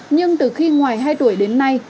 nhưng từ khi ngoài hai tuổi đến nay